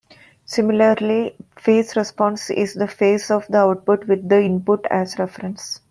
Similarly, phase response is the phase of the output with the input as reference.